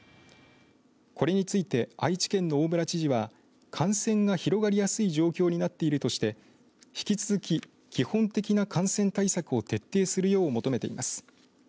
これについて愛知県の大村知事は感染が広がりやすい状況になっているとして引き続き、基本的な感染対策を徹底するよう求めています。